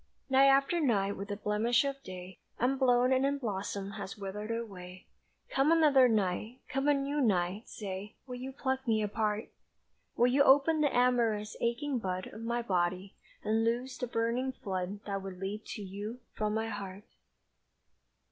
Night after night with a blemish of day Unblown and unblossomed has withered away; Come another night, come a new night, say Will you pluck me apart? Will you open the amorous, aching bud Of my body, and loose the burning flood That would leap to you from my heart?